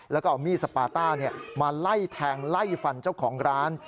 แล้วก็เอามีดสปาต้ามาไล่แทงไล่ฟันเจ้าของร้าน